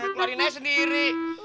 keluarin aja sendiri